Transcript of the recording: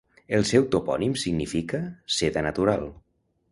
El seu topònim significa "seda natural".